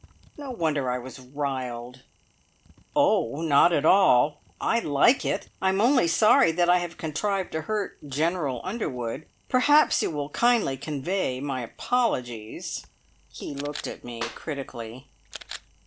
No wonder I was riled. "Oh, not at all. I like it! I am only sorry that I have contrived to hurt General Underwood. Perhaps you will kindly convey my apologies." He looked at me critically.